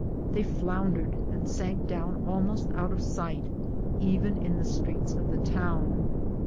They floundered and sank down almost out of sight, even in the streets of the town.